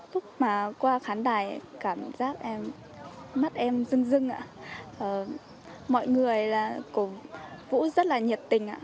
lúc mà qua khán đài cảm giác mắt em rưng rưng mọi người cổ vũ rất là nhiệt tình